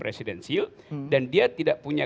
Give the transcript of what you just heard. presidensil dan dia tidak punya